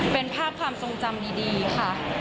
เป็นภาพความทรงจำดีค่ะ